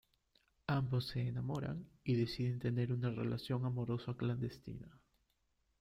Ambos se enamoran y deciden tener una relación amorosa clandestina.